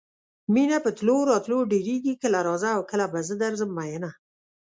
مینه په تلو راتلو ډېرېږي کله راځه او کله به زه درځم میینه.